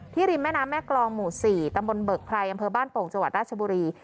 ริมแม่น้ำแม่กรองหมู่๔ตำบลเบิกไพรอำเภอบ้านโป่งจังหวัดราชบุรี